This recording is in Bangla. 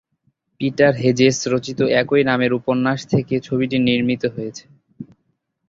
পিটার হেজেস রচিত একই নামের উপন্যাস থেকে ছবিটি নির্মীত হয়েছে।